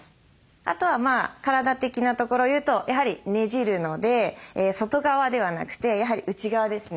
あとは体的なところを言うとやはりねじるので外側ではなくてやはり内側ですね